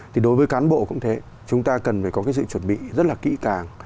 thì đối với cán bộ cũng thế chúng ta cần phải có cái sự chuẩn bị rất là kỹ càng